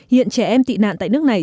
hiện trẻ em tị nạn tại nước này